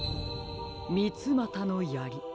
みつまたのやり。